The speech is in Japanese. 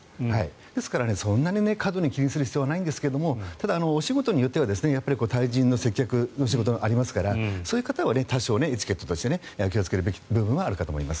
ですからそんなに過度に気にする必要はないんですがただ、お仕事によっては対人の接客の仕事がありますからそういう方は多少はエチケットとして気をつけるべき部分はあると思います。